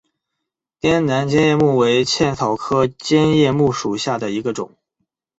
滇南尖叶木为茜草科尖叶木属下的一个种。